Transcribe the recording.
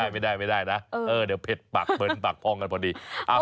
ไม่ได้นะเดี๋ยวเผ็ดปากเหมือนปากพองกันพอดี